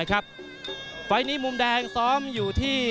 ไฟล์นี้มุมแดงซ้อมอยู่ที่